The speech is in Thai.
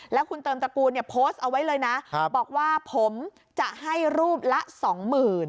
แล้วคุณเติมตระกูลเนี่ยโพสต์เอาไว้เลยนะบอกว่าผมจะให้รูปละสองหมื่น